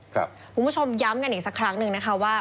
คุณผู้ชมย้ำกันอีกสักครั้งหนึ่งนะคะว่า